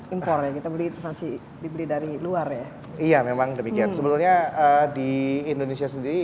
impor ya kita beli masih dibeli dari luar ya iya memang demikian sebenarnya di indonesia sendiri